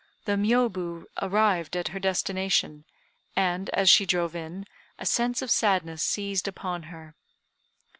The Miôbu arrived at her destination; and, as she drove in, a sense of sadness seized upon her.